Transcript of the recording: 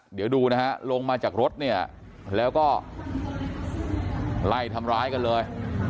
เดี๋ยวดูนะฮะลงมาจากรถเนี่ยแล้วก็ไล่ทำร้ายกันเลย